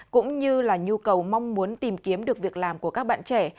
cũng như là nhu cầu mong muốn tìm kiếm được việc làm của các bạn trẻ